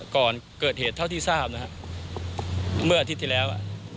ก่อนเกิดเหตุเท่าที่ทราบนะครับเมื่ออาทิตย์ที่แล้ว